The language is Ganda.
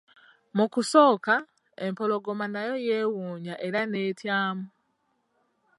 Mu kusooka, empologoma nayo yewuunya era n'etyamu.